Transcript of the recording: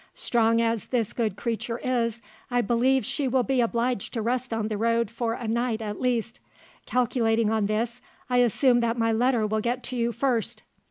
Strong as this good creature is, I believe she will be obliged to rest on the road for a night at least. Calculating on this, I assume that my letter will get to you first.